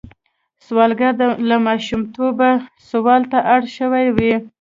سوالګر له ماشومتوبه سوال ته اړ شوی وي